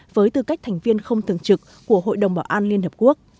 với tư cách thành viên không thường trực của hội đồng bảo an liên hợp quốc